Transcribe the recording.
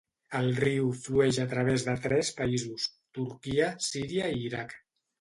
El riu flueix a través de tres països, Turquia, Síria i Iraq.